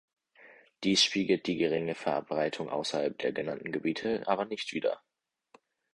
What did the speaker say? Dies spiegelt die geringe Verbreitung außerhalb der genannten Gebiete aber nicht wider.